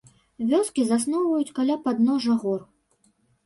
Вёскі засноўваюць каля падножжа гор.